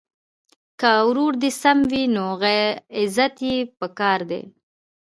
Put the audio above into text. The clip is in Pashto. که ورور دي سم وي نو عزت یې په کار دی.